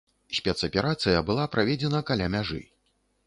Спецаперацыя была праведзена каля мяжы.